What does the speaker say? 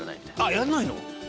やんないの？